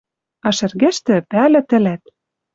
А шӹргӹштӹ, пӓлӹ тӹлӓт